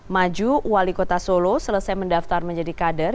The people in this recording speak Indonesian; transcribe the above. maju wali kota solo selesai mendaftar menjadi kader